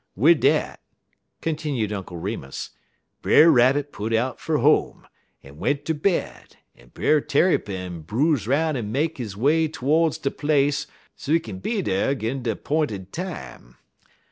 "Wid dat," continued Uncle Remus, "Brer Rabbit put out fer home, en went ter bed, en Brer Tarrypin bruise 'roun' en make his way todes de place so he kin be dar 'gin de 'p'inted time.